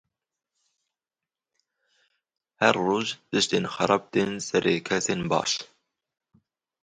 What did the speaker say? Her roj tiştên xerab tên serê kesên baş.